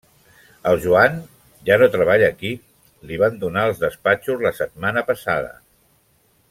El Joan? Ja no treballa aquí. Li van donar els despatxos la setmana passada.